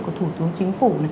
của thủ tướng chính phủ